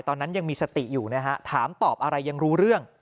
ตอนนั้นยังมีสติอยู่นะฮะถามตอบอะไรยังรู้เรื่อง